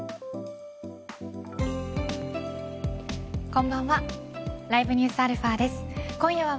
こんばんは。